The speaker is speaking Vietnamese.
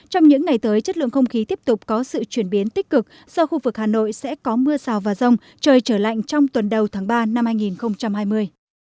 trong những ngày tới chất lượng không khí tiếp tục có sự chuyển biến tích cực do khu vực hà nội sẽ có mưa rào và rông trời trở lạnh trong tuần đầu tháng ba năm hai nghìn hai mươi